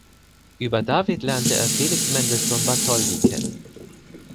Über David lernte er Felix Mendelssohn Bartholdy kennen.